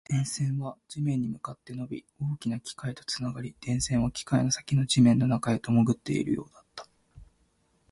電線は地面に向かって伸び、大きな機械とつながり、電線は機械の先の地面の中へと潜っているようだった